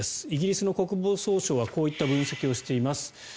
イギリスの国防総省はこういった分析をしています。